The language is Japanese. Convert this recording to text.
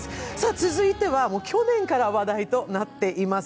続いては去年から話題となっています